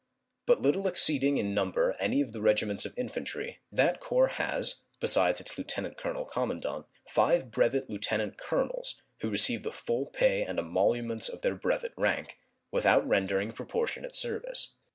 But little exceeding in number any of the regiments of infantry, that corps has, besides its lieutenant colonel commandant, five brevet lieutenant colonels, who receive the full pay and emoluments of their brevet rank, without rendering proportionate service.